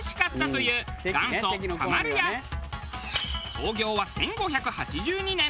創業は１５８２年。